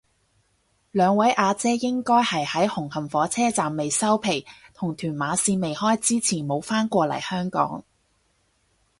兩位阿姐應該係喺紅磡火車站未收皮同屯馬綫未開之前冇返過嚟香港